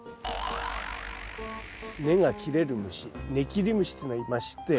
根が切れる虫ネキリムシっていうのがいまして。